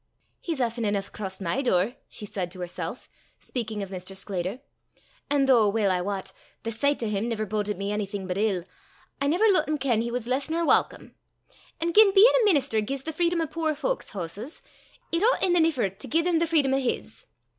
"He's aften eneuch crossed my door," she said to herself, speaking of Mr. Sclater; "an' though, weel I wat, the sicht o' 'im never bodit me onything but ill, I never loot him ken he was less nor walcome; an' gien bein' a minister gies the freedom o' puir fowk's hooses, it oucht in the niffer (exchange) to gie them the freedom o' his."